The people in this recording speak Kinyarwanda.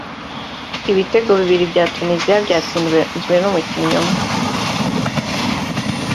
ibitego bibiri bya Tunisia byatsinzwe n’umukinnyi umwe